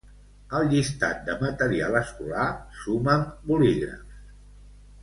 Al llistat de material escolar suma'm bolígrafs.